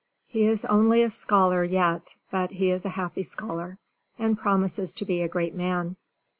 He is only a scholar yet, but he is a happy scholar, and promises to be a great man.